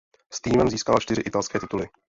S týmem získala čtyři italské tituly.